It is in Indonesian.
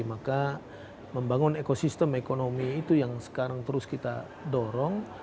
maka membangun ekosistem ekonomi itu yang sekarang terus kita dorong